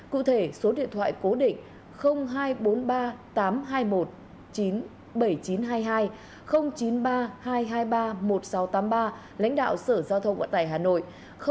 cụ thể số điện thoại cố định hai trăm bốn mươi ba tám trăm hai mươi một chín mươi bảy nghìn chín trăm hai mươi hai chín mươi ba hai trăm hai mươi ba một nghìn sáu trăm tám mươi ba lãnh đạo sở giao thông vận tải hà nội